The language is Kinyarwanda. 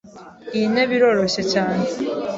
Iyi ntebe iroroshye cyane.